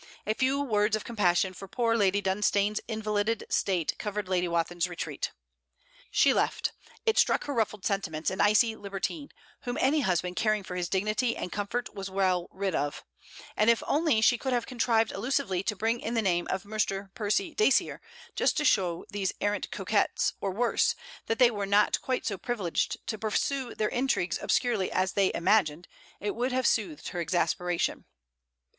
A few words of compassion for poor Lady Dunstane's invalided state covered Lady Wathin's retreat. She left, it struck her ruffled sentiments, an icy libertine, whom any husband caring for his dignity and comfort was well rid of; and if only she could have contrived allusively to bring in the name of Mr. Percy Dacier, just to show these arrant coquettes, or worse, that they were not quite so privileged to pursue their intrigues obscurely as they imagined, it would have soothed her exasperation.